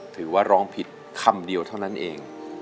ถือว่าร้องผิดคำเดียวเท่านั้นเอง